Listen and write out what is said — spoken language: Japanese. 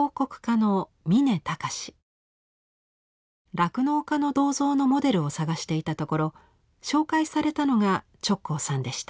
酪農家の銅像のモデルを探していたところ紹介されたのが直行さんでした。